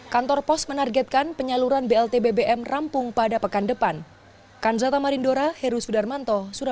kantor pos menargetkan penyaluran blt bbm rampung pada pekan depan